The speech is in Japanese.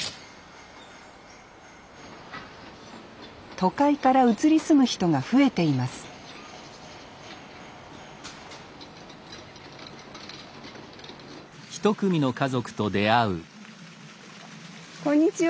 都会から移り住む人が増えていますこんにちは。